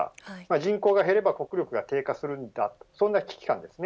人口が減れば国力が低下するんだそんな危機感です。